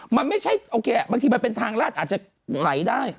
มันไม่ใช่โอเคบางทีมันเป็นทางลาดอาจจะไหลได้